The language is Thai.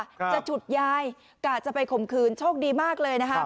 จะฉุดยายกะจะไปข่มขืนโชคดีมากเลยนะครับ